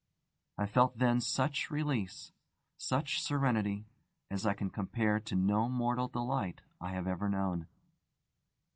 I felt then such release, such serenity as I can compare to no mortal delight I have ever known.